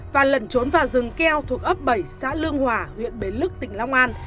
và lẩn trốn vào rừng keo thuộc ấp bảy xã lương hòa huyện bến lức tỉnh long an